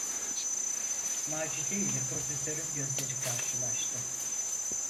Macide ile Profesör’ün gözleri karşılaştı.